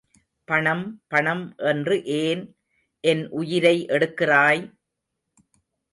பணம் பணம் என்று ஏன் என் உயிரை எடுக்கிறாய்!